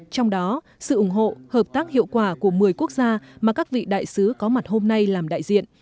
trong đó sự ủng hộ hợp tác hiệu quả của một mươi quốc gia mà các vị đại sứ có mặt hôm nay làm đại diện